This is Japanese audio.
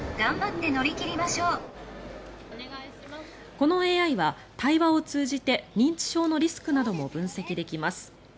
このＡＩは対話を通じて認知症のリスクなども分析できます。